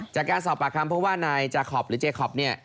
จากการสอบปากคำเพราะว่านายจาคอปหรือเจคอปเนี่ย